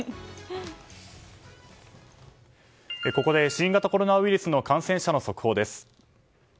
ここで新型コロナウイルスの感染者の速報です。